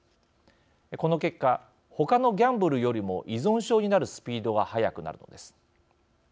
この結果ほかのギャンブルよりも依存症になるスピードが速くなるのです。